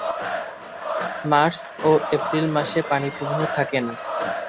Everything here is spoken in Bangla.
মার্চ ও এপ্রিল মাসে পানি প্রবাহ থাকে না।